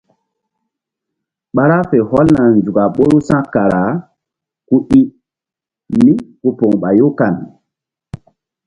Ɓa ra fe hɔlna nzuk a ɓoru sa̧kara ku i míku poŋ ɓayu kan.